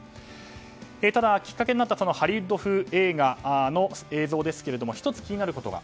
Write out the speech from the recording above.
ただきっかけになったハリウッド風映画の映像ですけれども１つ気になることが。